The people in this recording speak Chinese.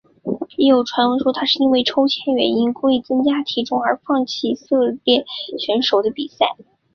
也有传闻说他是因为抽签原因故意增加体重而放弃与以色列选手的比赛。